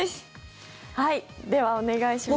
ではお願いします。